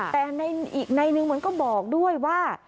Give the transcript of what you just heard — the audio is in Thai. แต่อีกในนึงเหมือนก็บอกด้วยว่า